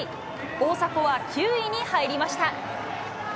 大迫は９位に入りました。